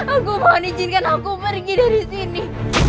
aku mohon izinkan aku pergi dari sini